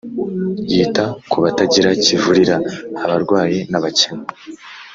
Yita kubatagira kivurira abarwayi n abakene